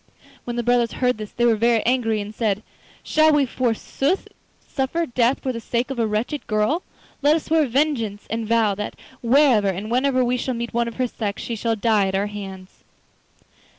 When the brothers heard this they were very angry, and said: 'Shall we forsooth suffer death for the sake of a wretched girl? Let us swear vengeance, and vow that wherever and whenever we shall meet one of her sex, she shall die at our hands.